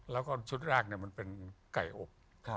แล้วก็ชุดแรกมันเป็นไก่อบ